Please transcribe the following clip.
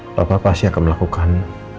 apa papa pasti akan melakukan